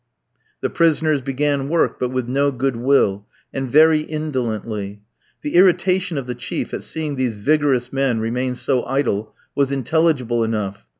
The prisoners began work, but with no good will, and very indolently. The irritation of the chief at seeing these vigorous men remain so idle was intelligible enough.